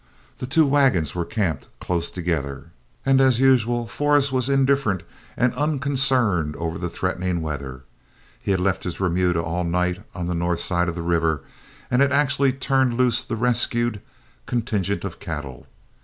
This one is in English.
The two wagons were camped close together, and as usual Forrest was indifferent and unconcerned over the threatening weather; he had left his remuda all night on the north side of the river, and had actually turned loose the rescued contingent of cattle.